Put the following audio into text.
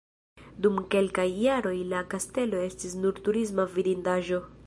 Dum kelkaj jaroj la kastelo estis nur turisma vidindaĵo.